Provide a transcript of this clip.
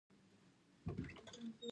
نیت ولې باید خیر وي؟